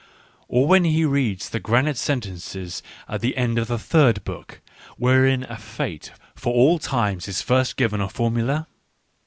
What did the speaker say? Or when he reads the granite sentences at the end of the third book, wherein a fate for all times is first given a formula